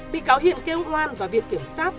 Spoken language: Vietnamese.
bị cáo hiền kêu ngoan và việc kiểm sát